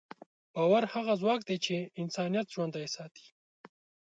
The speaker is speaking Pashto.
باور هغه ځواک دی چې انسانیت ژوندی ساتي.